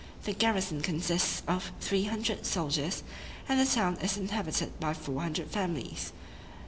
The garrison consists of three hundred soldiers, and the town is inhabited by four hundred families.